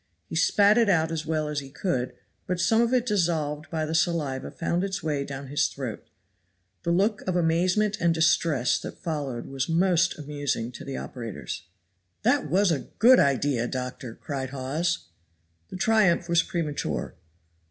He spat it out as well as he could, but some of it dissolved by the saliva found its way down his throat. The look of amazement and distress that followed was most amusing to the operators. "That was, a good idea, doctor," cried Hawes. The triumph was premature.